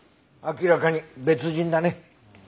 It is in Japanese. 明らかに別人だね。